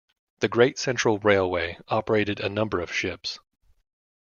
The Great Central Railway operated a number of ships.